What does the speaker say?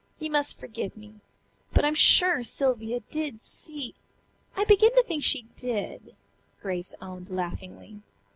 "You must forgive me. But I'm sure Sylvia did see " "I begin to think she did," Grace owned laughingly.